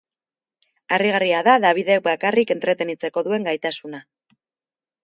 Harrigarria da Dabidek bakarrik entretenitzeko duen gaitasuna.